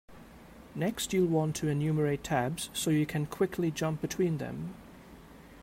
Next, you'll want to enumerate tabs so you can quickly jump between them.